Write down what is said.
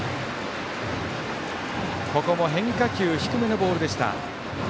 ここも変化球低めのボールでした。